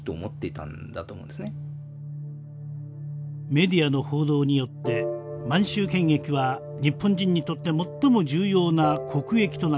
メディアの報道によって満州権益は日本人にとって最も重要な国益となっていきます。